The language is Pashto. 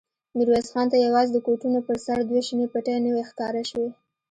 ميرويس خان ته يواځې د کوټونو پر سر دوې شنې پټې نوې ښکاره شوې.